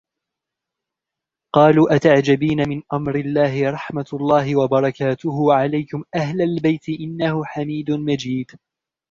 قَالُوا أَتَعْجَبِينَ مِنْ أَمْرِ اللَّهِ رَحْمَتُ اللَّهِ وَبَرَكَاتُهُ عَلَيْكُمْ أَهْلَ الْبَيْتِ إِنَّهُ حَمِيدٌ مَجِيدٌ